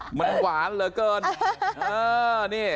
เหมือนหวานเหลือเกิน